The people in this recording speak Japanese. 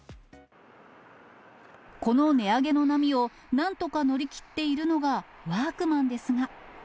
この値上げの波を、なんとか乗り切っているのがワークマンですが。